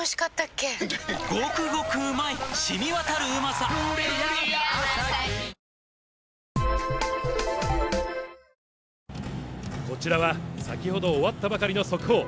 ソフトボールもこちらは先ほど終わったばかりの速報。